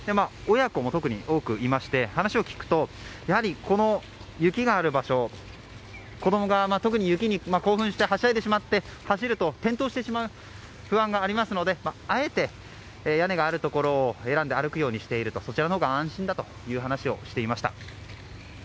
親子も特に多くいまして話を聞くとやはり雪がある場所子供が特に雪に興奮してはしゃいでしまって走ると転倒してしまう不安がありますのであえて屋根があるところを選んで歩くようにしているとそちらのほうが安心だと話をしていました。